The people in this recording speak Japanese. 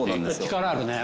力あるね。